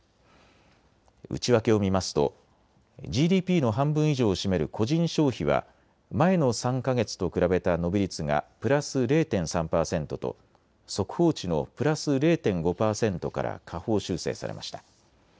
内訳を見ますとＧＤＰの半分以上を占める個人消費は前の３か月と比べた伸び率がプラス０．３％と速報値のプラス０．５％から下方修正されました。